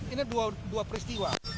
ini dua peristiwa